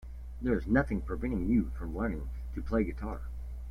There's nothing preventing you from learning to play the guitar.